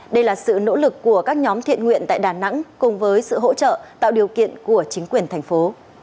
đây là sự nỗ lực của các nhóm thiện nguyện tại đà nẵng cùng với sự hỗ trợ tạo điều kiện của chính quyền thành phố